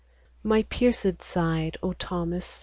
" My pierced side, O Thomas